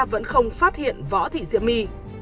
vẫn không phát hiện võ thị diễm my